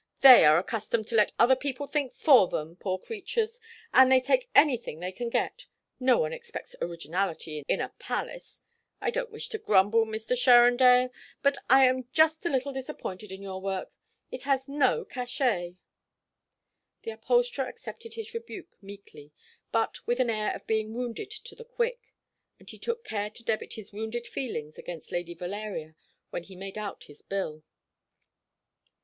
"They are accustomed to let other people think for them, poor creatures, and they take anything they can get. No one expects originality in a palace. I don't wish to grumble, Mr. Sherrendale, but I am just a little disappointed in your work. It has no cachet." The upholsterer accepted his rebuke meekly, but with an air of being wounded to the quick; and he took care to debit his wounded feelings against Lady Valeria when he made out his bill.